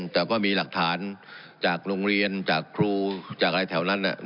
แต่ก็มีหลักฐานจากโรงเรียนจากครูจากอะไรแถวนั้น